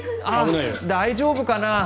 大丈夫かな？